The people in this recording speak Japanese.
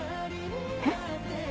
えっ？